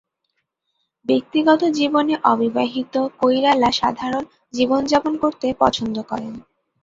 ব্যক্তিগত জীবনে অবিবাহিত কৈরালা সাধারণ জীবনযাপন করতে পছন্দ করেন।